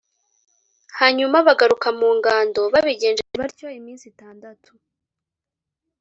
hanyuma bagaruka mu ngando. babigenjeje batyo iminsi itandatu.